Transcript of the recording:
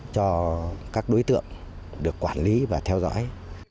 cho các đối tượng được quản lý và theo dõi